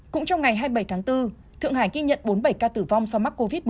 cũng trong ngày hai mươi bảy tháng bốn thượng hải ghi nhận bốn mươi bảy ca tử vong do mắc covid một mươi chín